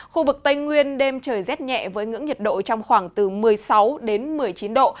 khu vực tây nguyên đêm trời rét nhẹ với ngưỡng nhiệt độ trong khoảng từ một mươi sáu đến một mươi chín độ